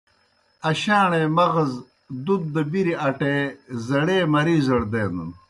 اشاݨے مغز دُت دہ بِری اٹے، زیڑے مریضڑ دینَن۔